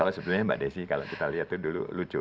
kalau sebelumnya mbak desi kalau kita lihat dulu lucu